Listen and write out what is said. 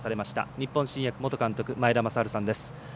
日本新薬元監督前田正治さんです。